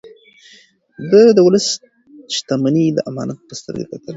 ده د ولس شتمني د امانت په سترګه کتل.